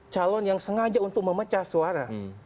calon yang sengaja untuk memecah suara